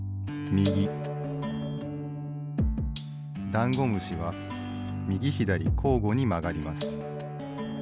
ダンゴムシはみぎひだりこうごにまがります。